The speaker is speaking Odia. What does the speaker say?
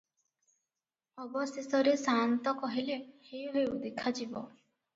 ଅବଶେଷରେ ସାଆନ୍ତ କହିଲେ, "ହେଉ ହେଉଦେଖାଯିବ ।